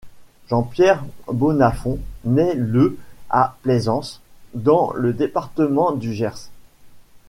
Jean-Pierre Bonnafont naît le à Plaisance, dans le département du Gers.